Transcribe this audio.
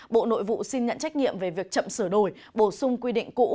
bộ nội vụ xin nhận trách nhiệm về việc chậm sửa đổi bổ sung quy định cũ